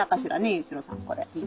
雄一郎さんこれ。